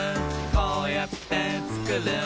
「こうやってつくる